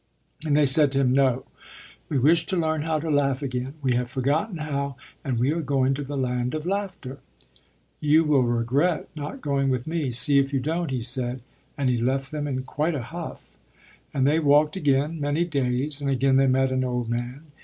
And they said to him, "No, we wish to learn how to laugh again; we have forgotten how, and we are going to the Land of Laughter." "You will regret not going with me. See if you don't," he said, and he left them in quite a huff. And they walked again, many days, and again they met an old man.